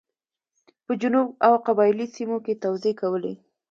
په جنوب او قبایلي سیمو کې توزېع کولې.